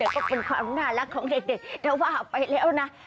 ก็เป็นความน่ารักของเด็กถ้าว่าไปแล้วนะ